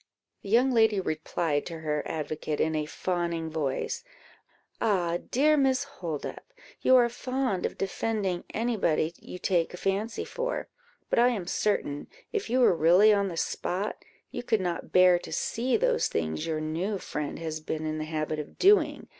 The young lady replied to her advocate, in a fawning voice "Ah, dear Miss Holdup! you are fond of defending any body you take a fancy for; but I am certain, if you were really on the spot, you could not bear to see those things your new friend has been in the habit of doing.